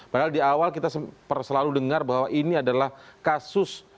padahal di awal kita selalu dengar bahwa ini adalah kasus